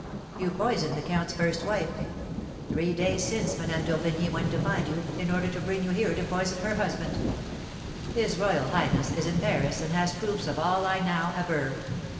You poisoned the count's first wife. Three days since Madame d'Orbigny went to find you, in order to bring you here to poison her husband. His royal highness is in Paris, and has proofs of all I now aver.